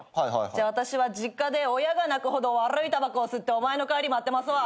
じゃあ私は実家で親が泣くほど悪いたばこを吸ってお前の帰り待ってますわ。